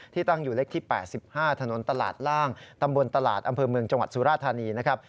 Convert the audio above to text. ตั้งอยู่เลขที่๘๕ถนนตลาดล่างตำบลตลาดอำเภอเมืองจังหวัดสุราธานีนะครับ